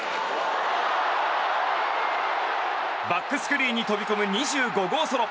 バックスクリーンに飛び込む２５号ソロ。